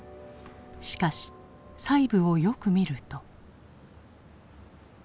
しかし細部をよく見ると。